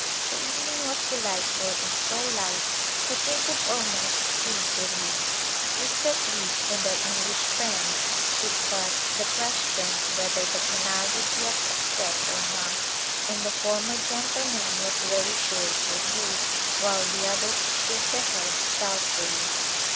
The evening was delightful and so light that we could almost see to read. Mr. E and our English friends discussed the question whether the canal would be a success or not, and the former gentleman was very sure it would be while the others shook their heads doubtfully.